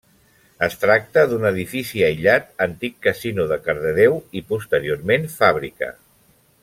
Es tracta d'un edifici aïllat, antic casino de Cardedeu i posteriorment fàbrica.